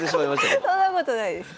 そんなことないです。